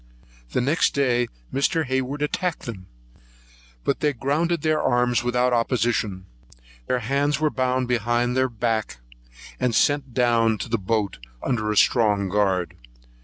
Next day Mr. Hayward attacked them, but they grounded their arms without opposition; their hands were bound behind their back and sent down to the boat under a strong guard.